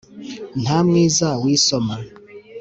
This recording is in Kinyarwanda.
Nta mwiza wisoma